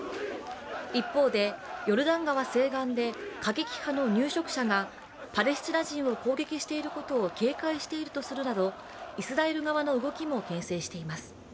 一方で、ヨルダン川西岸で過激派の入植者がパレスチナ人を攻撃していることを警戒しているとするなどイスラエル側の動きもけん制しています。